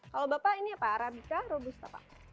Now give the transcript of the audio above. kalau bapak ini arabica robusta